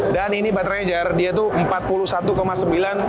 dan ini baterainya jar dia tuh empat puluh satu sembilan kwh kayak gitu